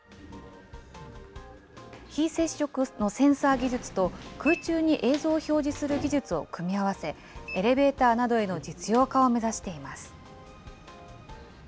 非接触のセンサー技術と、空中に映像を表示する技術を組み合わせ、エレベーターなどへの実用化を目指しています。